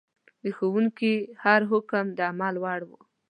د ښوونکي هر حکم د عمل وړ و.